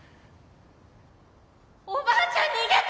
おばあちゃん逃げて！